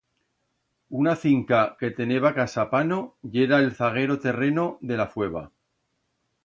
Una cinca que teneba casa Pano yera el zaguero terreno de la Fueva.